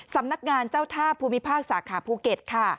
สำนักงานเจ้าท่าภูมิภาคสาขาภูเก็ตค่ะ